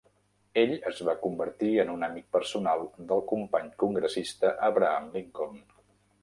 Ell es va convertir en un amic personal del company congressista Abraham Lincoln.